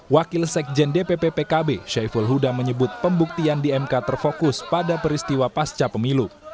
wakil sekjen dpp pkb syaiful huda menyebut pembuktian di mk terfokus pada peristiwa pasca pemilu